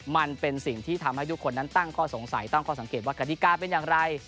มันเป็นสิ่งที่ทำให้ทุกคนนั้นตั้งข้อสงสัยตั้งข้อสังเกตว่ากฎิกาเป็นอย่างไร